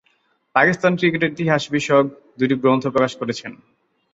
পাকিস্তান ক্রিকেটের ইতিহাস বিষয়ক দুইটি গ্রন্থ প্রকাশ করেছেন।